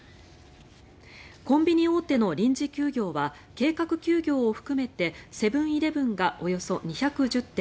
コンビニ大手の臨時休業は計画休業を含めてセブン−イレブンがおよそ２１０店